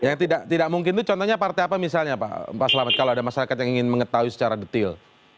yang tidak mungkin itu contohnya partai apa misalnya pak selamat kalau ada masyarakat yang ingin mengetahui secara detail